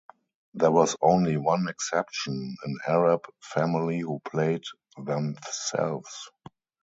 There was only one exception, an Arab family who played themselves.